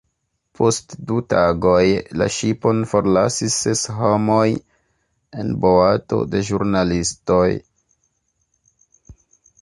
Post du tagoj la ŝipon forlasis ses homoj en boato de ĵurnalistoj.